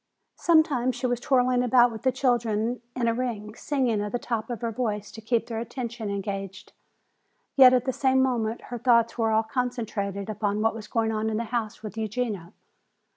Sometimes she was whirling about with the children in a ring, singing at the top of her voice to keep their attention engaged. Yet at the same moment her thoughts were all concentrated upon what was going on in the house with Eugenia.